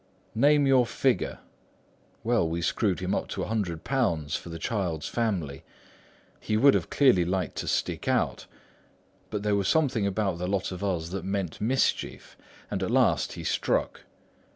'Name your figure.' Well, we screwed him up to a hundred pounds for the child's family; he would have clearly liked to stick out; but there was something about the lot of us that meant mischief, and at last he struck.